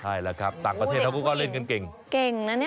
ใช่แล้วครับต่างประเทศเขาก็เล่นกันเก่งเก่งนะเนี่ย